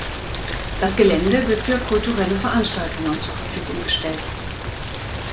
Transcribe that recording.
Das Gelände wird für kulturelle Veranstaltungen zur Verfügung gestellt.